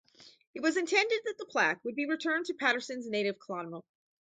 It was intended that the plaque would be returned to Patterson's native Clonmel.